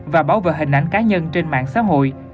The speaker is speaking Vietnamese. và bảo vệ hình ảnh cá nhân trên mạng xã hội